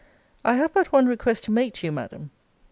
I have but one request to make to you, Madam.